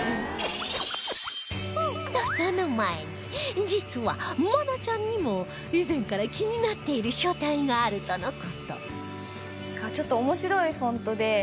とその前に実は愛菜ちゃんにも以前から気になっている書体があるとの事